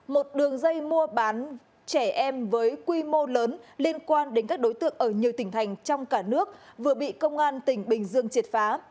một đường dây mua bán trẻ em với quy mô lớn liên quan đến các đối tượng ở nhiều tỉnh thành trong cả nước vừa bị công an tỉnh bình dương triệt phá